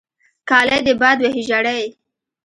کالې دې باد وهي ژړې.